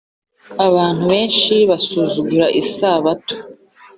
Abantu benshi basuzugura isabato